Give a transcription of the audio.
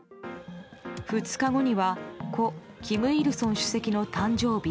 ２日後には故・金日成主席の誕生日